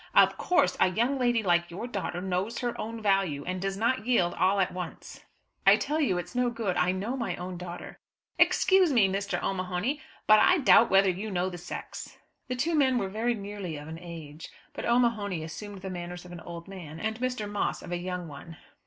Of course a young lady like your daughter knows her own value, and does not yield all at once." "I tell you it's no good. I know my own daughter." "Excuse me, Mr. O'Mahony, but I doubt whether you know the sex." The two men were very nearly of an age; but O'Mahony assumed the manners of an old man, and Mr. Moss of a young one.